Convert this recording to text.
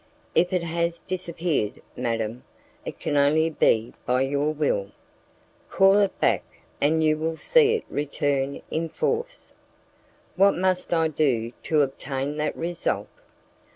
"If it has disappeared, madam, it can only be by your will. Call it back, and you will see it return in full force." "What must I do to obtain that result?"